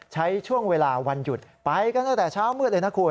ใช้ช่วงเวลาวันหยุดไปกันตั้งแต่เช้ามืดเลยนะคุณ